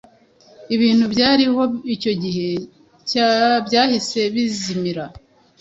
ibintu byariho icyo gihe byahise bizimira